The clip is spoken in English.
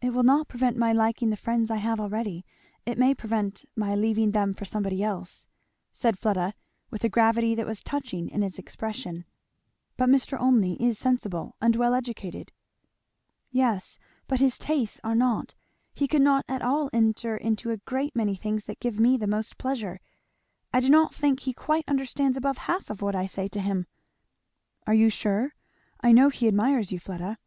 "It will not prevent my liking the friends I have already it may prevent my leaving them for somebody else," said Fleda, with a gravity that was touching in its expression. "But Mr. Olmney is sensible, and well educated." "Yes, but his tastes are not. He could not at all enter into a great many things that give me the most pleasure. I do not think he quite understands above half of what I say to him." "Are you sure? I know he admires you, Fleda."